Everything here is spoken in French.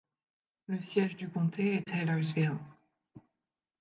Le siège du comté est Taylorsville.